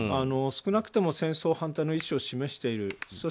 少なくとも戦争反対の意思を示している。